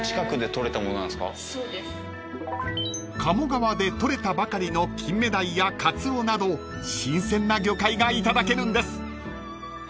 ［鴨川でとれたばかりのキンメダイやカツオなど新鮮な魚介がいただけるんです］